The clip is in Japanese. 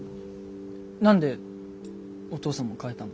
何でお父さんも変えたの？